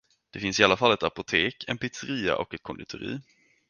Det finns i alla fall ett apotek, en pizzeria och ett konditori.